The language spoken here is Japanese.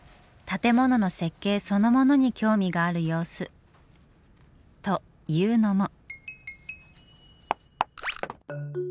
建物の設計そのものに興味がある様子。というのも。